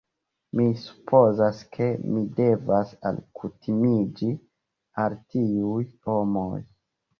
Mi supozas, ke mi devas alkutimiĝi al tiuj homoj